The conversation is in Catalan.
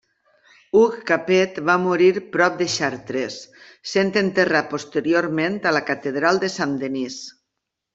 Hug Capet va morir prop de Chartres, sent enterrat posteriorment a la catedral de Saint-Denis.